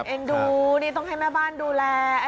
เอ็งดูต้องให้มาบ้านดูแล